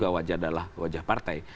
wajah adalah wajah partai